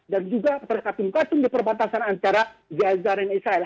dan juga terkatung katung di perbatasan antara gaza dan israel